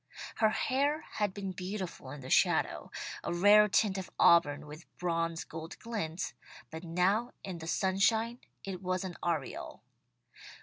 Her hair had been beautiful in the shadow; a rare tint of auburn with bronze gold glints, but now in the sunshine it was an aureole.